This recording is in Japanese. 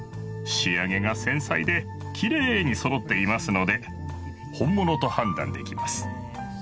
仕上げが繊細できれいにそろっていますので本物と判断できます。